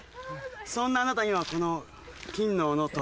そんなあなたにはこの金の斧と。